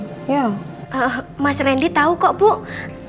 tadi kiki udah minta tolong sama mas randy untuk kesini